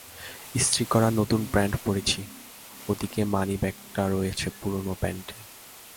ইস্ত্রি করা নতুন প্যান্ট পরেছি, ওদিকে মানিব্যাগটা রয়ে গেছে পুরোনো প্যান্টে।